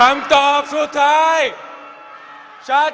ไม่มีเรา